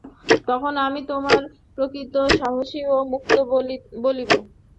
তখন আমি তোমায় প্রকৃত সাহসী ও মুক্ত বলিব।